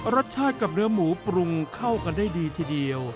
รสชาติกับเนื้อหมูปรุงเข้ากันได้ดีทีเดียว